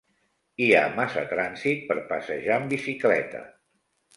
Hi ha massa trànsit per passejar amb bicicleta.